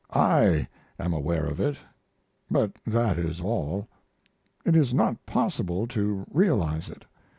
I am aware of it, but that is all. It is not possible to realize it.